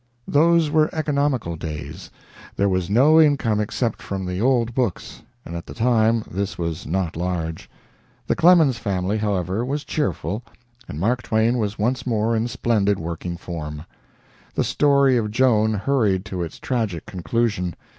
Those were economical days. There was no income except from the old books, and at the time this was not large. The Clemens family, however, was cheerful, and Mark Twain was once more in splendid working form. The story of Joan hurried to its tragic conclusion.